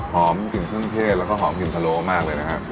หอมกลิ่นเครื่องเทศแล้วก็หอมกลิ่นพะโลมากเลยนะครับ